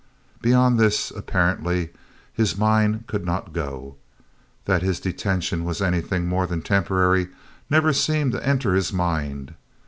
Beyond this, apparently, his mind could not go. That his detention was anything more than temporary never seemed to enter his mind.